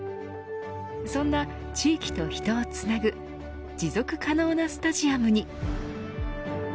そんな、地域と人をつなぐ持続可能なスタジアムに。